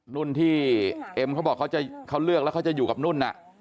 นุ่นที่เอ็มเขาบอกเขาเลือกแล้วเขาจะอยู่กับนุ่น